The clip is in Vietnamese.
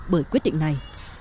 của quyết định này